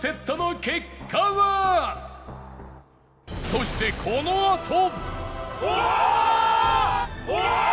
そしてこのあと